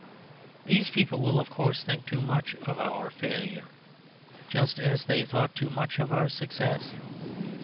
These people will, of course, think too much of our failure, just as they thought too much of our success.